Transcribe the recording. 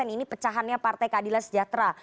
ini pecahannya partai keadilan sejahtera